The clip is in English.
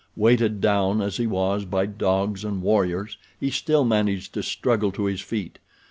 Weighted down as he was by dogs and warriors he still managed to struggle to his feet.